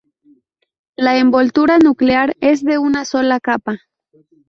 La envoltura nuclear es de una sola capa.